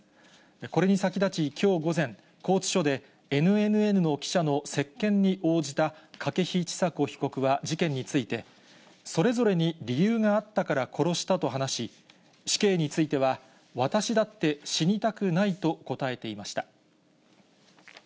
これに先立ち、きょう午前、拘置所でＮＮＮの記者の接見に応じた筧千佐子被告は事件について、それぞれに理由があったから殺したと話し、死刑については、私だって死にたくないと答えていました。